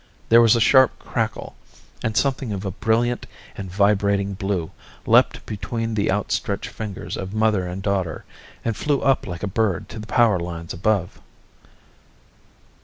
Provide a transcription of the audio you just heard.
There was a sharp crackle, and something of a brilliant and vibrating blue leaped between the out stretched fingers of mother and daughter, and flew up like a bird to the power lines above.